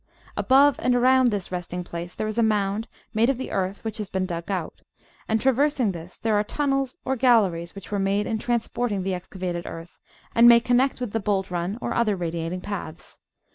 Above and aroimd this resting place there is a mound made of the earth which has been dug out, and traversing this there are tunnels or galleries which were made in transporting the excavated earth and may connect with the bolt rim or other radiating paths.